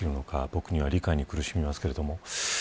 僕には理解に苦しみますけど。